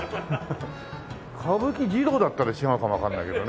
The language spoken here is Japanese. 「歌舞伎ジロウ」だったら違うかもわかんないけどね。